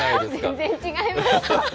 全然違いました。